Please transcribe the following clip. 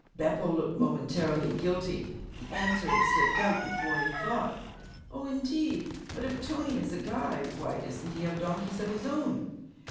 Beppo looked momentarily guilty; the answer had slipped out before he thought. 'Oh, indeed! But if Tony is a guide why doesn't he have donkeys of his own?'